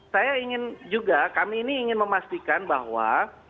saya ingin juga kami ini ingin memastikan bahwa